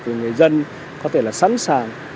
và người dân có thể là sẵn sàng